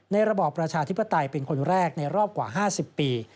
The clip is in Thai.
ระบอบประชาธิปไตยเป็นคนแรกในรอบกว่า๕๐ปี